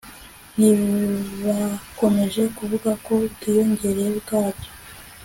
ntibakomeje kuvuga ku bwiyongere bwabyo